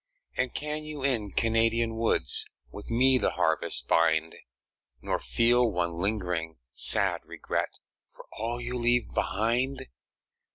And can you in Canadian woods With me the harvest bind, Nor feel one lingering, sad regret For all you leave behind?